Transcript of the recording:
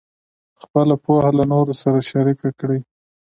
خپله پوهه له نورو سره شریکه کړئ.